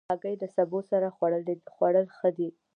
هګۍ له سبو سره خوړل ښه دي.